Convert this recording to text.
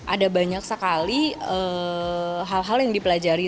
ada banyak sekali hal hal yang dipelajari